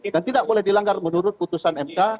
dan tidak boleh dilanggar menurut putusan mk